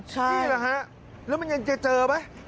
นี่แหละฮะแล้วมันยังจะเจอไหม